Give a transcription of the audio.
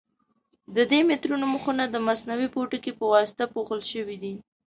د دې مترونو مخونه د مصنوعي پوټکي په واسطه پوښل شوي دي.